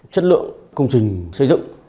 chất lượng công trình xây dựng